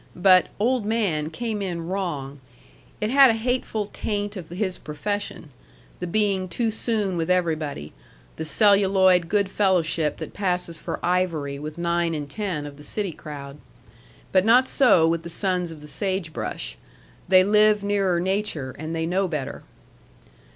But "old man" came in wrong. It had a hateful taint of his profession; the being too soon with everybody, the celluloid good fellowship that passes for ivory with nine in ten of the city crowd. But not so with the sons of the sagebrush. They live nearer nature, and they know better.